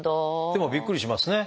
でもびっくりしますね。